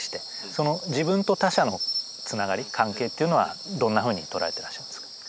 その自分と他者のつながり関係っていうのはどんなふうに捉えてらっしゃいますか？